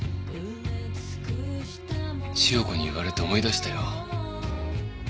千代子に言われて思い出したよ。